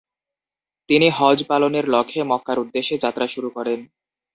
তিনি হজ্জ পালনের লক্ষ্যে মক্কার উদ্দেশ্যে যাত্রা শুরু করেন।